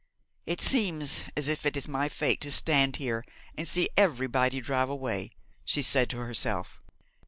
'It seems as if it is my fate to stand here and see everybody drive away,' she said to herself.